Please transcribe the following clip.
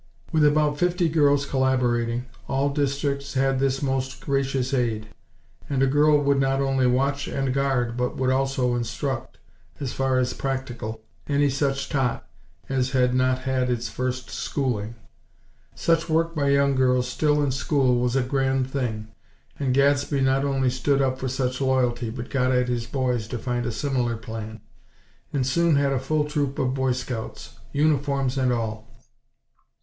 With about fifty girls collaborating, all districts had this most gracious aid; and a girl would not only watch and guard, but would also instruct, as far as practical, any such tot as had not had its first schooling. Such work by young girls still in school was a grand thing; and Gadsby not only stood up for such loyalty, but got at his boys to find a similar plan; and soon had a full troop of Boy Scouts; uniforms and all.